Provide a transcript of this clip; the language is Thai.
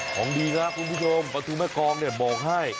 ของดีครับคุณผู้ชมปลาทูแม่กองเนี่ยโบกให้